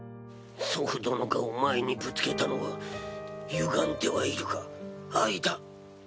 祖父殿がお前にぶつけたのはゆがんではいるが愛だ。